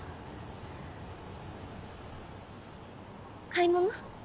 買い物？